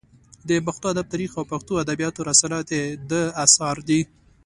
د پښتو ادب تاریخ او پښتو ادبیات رساله د ده اثار دي.